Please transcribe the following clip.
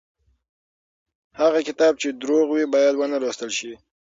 هغه کتاب چې دروغ وي بايد ونه لوستل شي.